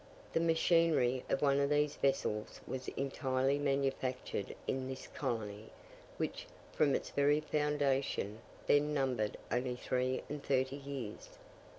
The machinery of one of these vessels was entirely manufactured in this colony, which, from its very foundation, then numbered only three and thirty years!